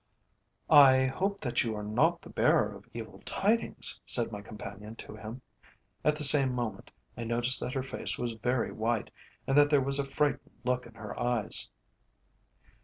"I hope that you are not the bearer of evil tidings," said my companion to him. At the same moment I noticed that her face was very white, and that there was a frightened look in her eyes.